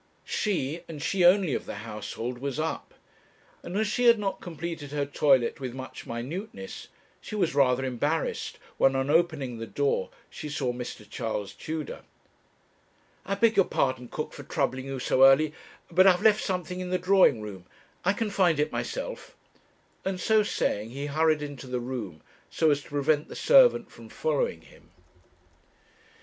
She, and she only of the household, was up, and as she had not completed her toilet with much minuteness, she was rather embarrassed when, on opening the door, she saw Mr. Charles Tudor. 'I beg your pardon, cook, for troubling you so early; but I have left something in the drawing room. I can find it myself;' and, so saying, he hurried into the room, so as to prevent the servant from following him.